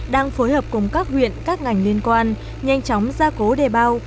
đang phối hợp cùng các huyện các ngành liên quan nhanh chóng ra cố đề bao